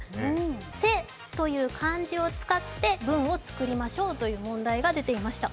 「背」という漢字を使って文章をつくりましょうという問題が出ていました。